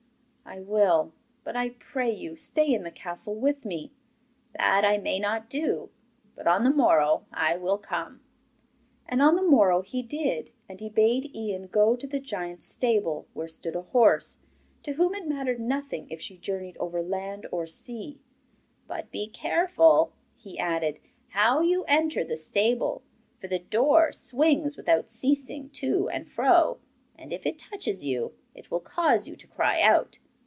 'I will. But, I pray you, stay in the castle with me.' 'That I may not do, but on the morrow I will come.' And on the morrow he did, and he bade Ian go to the giant's stable where stood a horse to whom it mattered nothing if she journeyed over land or sea. 'But be careful,' he added, 'how you enter the stable, for the door swings without ceasing to and fro, and if it touches you, it will cause you to cry out.